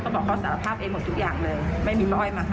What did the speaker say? ได้บอกเขาไม่ว่าท่านทำอะไรก่อนแล้ว